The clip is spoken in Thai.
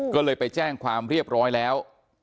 ก็เลยไปแจ้งความเรียบร้อยแล้ว